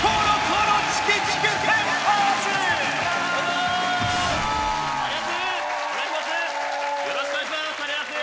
よろしくお願いします